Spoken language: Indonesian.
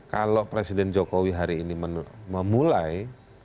kalau presiden jokowi hari ini memulai